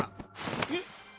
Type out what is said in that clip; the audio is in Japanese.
えっ？